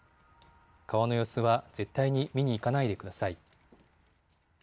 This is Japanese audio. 川の様子は絶対に見に行かないでください。